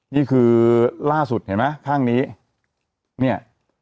นี่คือล่าสุดเห็นไหมทางนี้